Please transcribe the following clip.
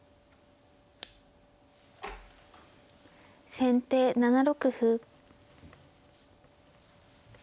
先手７六歩。